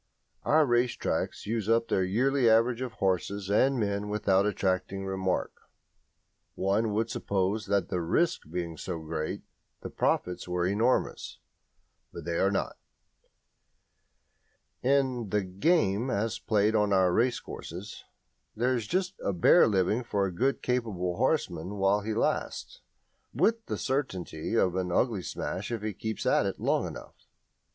Our race tracks use up their yearly average of horses and men without attracting remark. One would suppose that the risk being so great the profits were enormous; but they are not. In "the game" as played on our racecourses there is just a bare living for a good capable horseman while he lasts, with the certainty of an ugly smash if he keeps at it long enough.